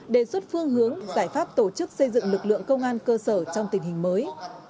đề xuất phương hướng giải pháp tổ chức xây dựng lực lượng công an cơ sở trong tình hình mới